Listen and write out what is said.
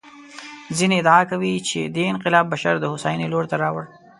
ځینې ادعا کوي چې دې انقلاب بشر د هوساینې لور ته راوړ.